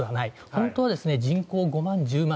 本当は人口５万、１０万、１５万